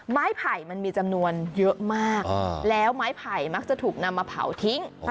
ไผ่มันมีจำนวนเยอะมากแล้วไม้ไผ่มักจะถูกนำมาเผาทิ้ง